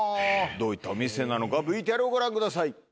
どういったお店なのかＶＴＲをご覧ください。